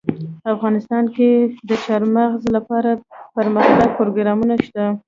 افغانستان کې د چار مغز لپاره دپرمختیا پروګرامونه شته.